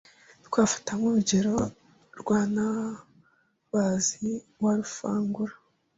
Twafata nk’urugero rwa Ntambabazi wa Rufangura